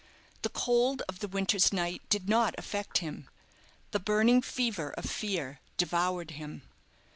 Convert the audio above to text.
The cold of the winter's night did not affect him, the burning fever of fear devoured him.